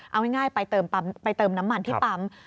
เอาง่ายไปเติมน้ำมันที่ปั๊ม